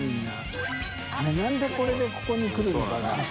覆鵑これでここに来るのかな？